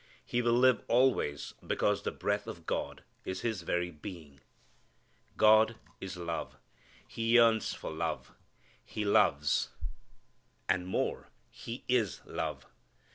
He will live always because the breath of God is his very being. God is love. He yearns for love. He loves. And more, He is love.